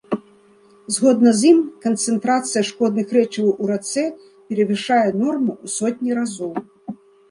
Згодна з ім, канцэнтрацыя шкодных рэчываў у рацэ перавышае норму ў сотні разоў.